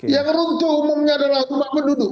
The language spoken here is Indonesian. yang runtuh umumnya adalah rumah penduduk